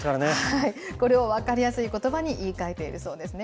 これを分かりやすいことばに言い換えているそうですね。